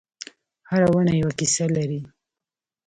هره ونه یوه کیسه لري.